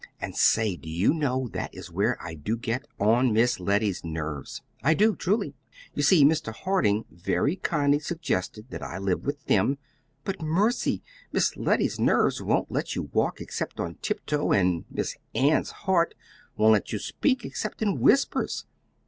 And, say, do you know, that is where I do get on Miss Letty's nerves. I do, truly. You see, Mr. Harding very kindly suggested that I live with them, but, mercy! Miss Letty's nerves won't let you walk except on tiptoe, and Miss Ann's heart won't let you speak except in whispers.